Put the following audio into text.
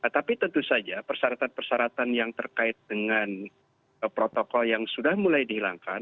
tapi tentu saja persyaratan persyaratan yang terkait dengan protokol yang sudah mulai dihilangkan